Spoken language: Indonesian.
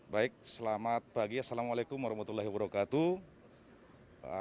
baik selamat pagi assalamualaikum warahmatullahi wabarakatuh